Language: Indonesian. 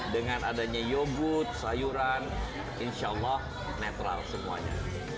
dengan adanya yogu sayuran insya allah netral semuanya